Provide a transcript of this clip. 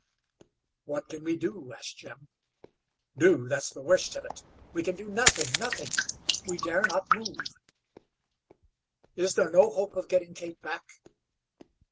"What can we do?" asked Jim. "Do? That's the worst of it. We can do nothing, nothing. We dare not move." "Is there no hope of getting Kate back?"